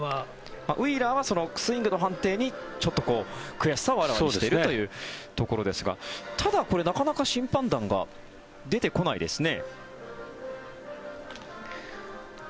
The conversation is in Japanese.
ウィーラーはスイングの判定に悔しさを表しているというところですがただこれ、なかなか審判団が出てこないですね。